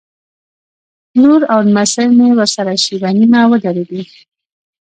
لور او نمسۍ مې ورسره شېبه نیمه ودرېدې.